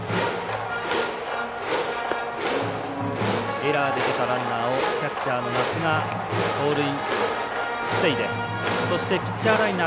エラーで出たランナーをキャッチャーの奈須が盗塁を防いでそして、ピッチャーライナー